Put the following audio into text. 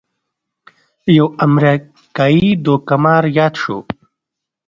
یو امریکايي دوکه مار یاد شو.